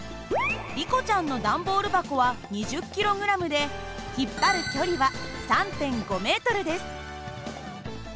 リコちゃんの段ボール箱は２０ｋｇで引っ張る距離は３．５ｍです。